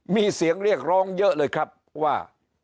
มีเสียงเรียกร้องเยอะเลยครับว่า